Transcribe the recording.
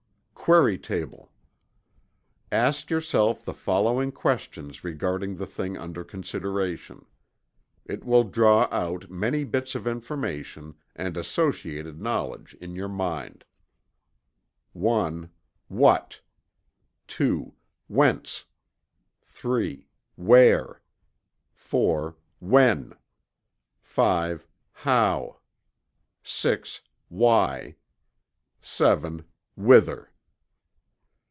QUERY TABLE. _Ask yourself the following questions regarding the thing under consideration. It will draw out many bits of information and associated knowledge in your mind_: (1) WHAT? (2) WHENCE? (3) WHERE? (4) WHEN? (5) HOW? (6) WHY? (7) WHITHER?